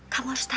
kamu harus tabah